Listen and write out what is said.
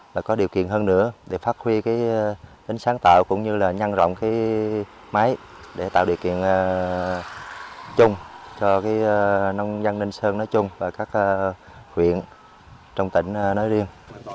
và có điều kiện hơn nữa để phát huy cái tính sáng tạo cũng như là nhân rộng cái máy để tạo điều kiện chung cho nông dân ninh sơn nói chung và các huyện trong tỉnh nói riêng